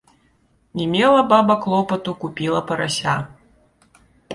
Не мела баба клопату, купіла парася